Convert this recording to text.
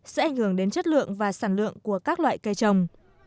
sẽ ảnh hưởng đến chất lượng và sản lượng của các loại cây trồng